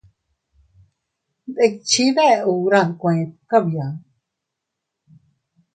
Ndikchi deʼe hura nkueta kabia.